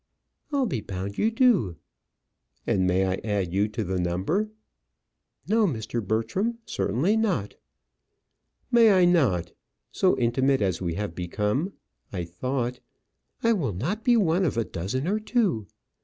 "I'll be bound you do." "And may I add you to the number?" "No, Mr. Bertram; certainly not." "May I not? So intimate as we have become, I thought " "I will not be one of a dozen or two."